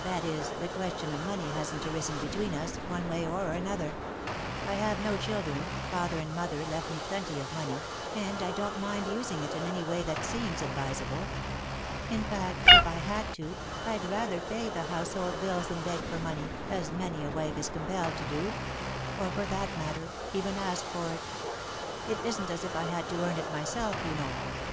That is, the question of money hasn't arisen between us, one way or another. I have no children, father and mother left me plenty of money, and I don't mind using it in any way that seems advisable. In fact, if I had to, I'd rather pay the household bills than beg for money, as many a wife is compelled to do or, for that matter, even ask for it. It isn't as if I had to earn it myself, you know.